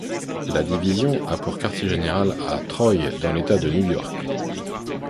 La division a pour quartier-général à Troy dans l'État de New York.